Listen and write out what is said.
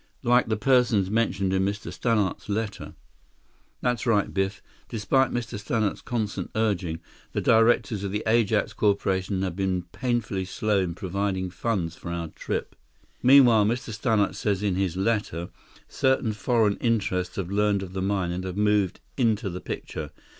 "Like the persons mentioned in Mr. Stannart's letter?" "That's right, Biff. Despite Mr. Stannart's constant urging, the directors of the Ajax Corporation have been painfully slow in providing funds for our trip. Meanwhile, Mr. Stannart says in his letter, certain foreign interests have learned of the mine and have moved into the picture.